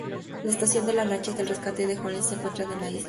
La estación de lanchas de rescate de Holyhead se encuentra en la isla.